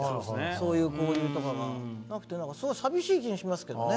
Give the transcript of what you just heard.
そういう交流とかがなくてすごい寂しい気がしますけどね。